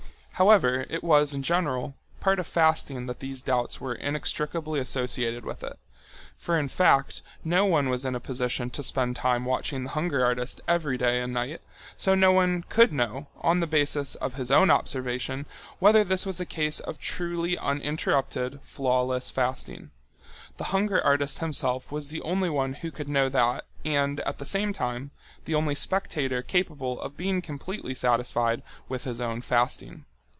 However, it was, in general, part of fasting that these doubts were inextricably associated with it. For, in fact, no one was in a position to spend time watching the hunger artist every day and night, so no one could know, on the basis of his own observation, whether this was a case of truly uninterrupted, flawless fasting. The hunger artist himself was the only one who could know that and, at the same time, the only spectator capable of being completely satisfied with his own fasting.